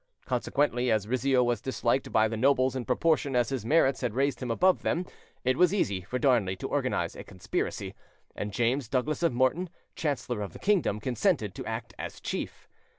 Consequently, as Rizzio was disliked by the nobles in proportion as his merits had raised him above them, it was easy for Darnley to organise a conspiracy, and James Douglas of Morton, chancellor of the kingdom, consented to act as chief.